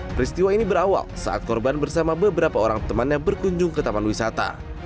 peristiwa ini berawal saat korban bersama beberapa orang temannya berkunjung ke taman wisata